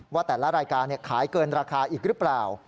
ว่าแต่ละรายการขายเกินราคาอีกหรือเปล่า